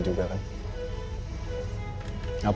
juga ada yang menyebabkan